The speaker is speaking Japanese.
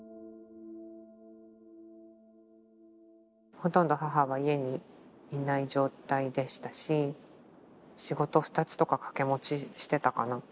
ほとんど母は家にいない状態でしたし仕事２つとか掛け持ちしてたかな。